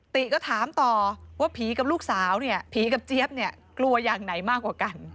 ติก็ถามต่อว่าผีกับลูกสาวเนี่ยผีกับเจี๊ยบเนี่ยกลัวอย่างไหนมากกว่ากัน